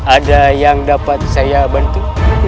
ada yang dapat saya bantu